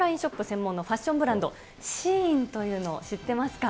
専門のファッションブランド、シーインというのを知ってますか。